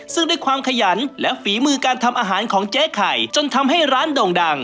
ซึ่งด้วยความขยันและฝีมือการทำอาหารของเจ๊ไข่จนทำให้ร้านโด่งดัง